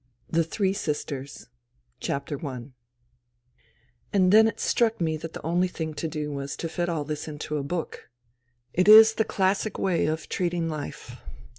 ] THE THREE SISTERS AND then it struck me that the only thing to do was to fit all this into a book. It is the classic way of treating life.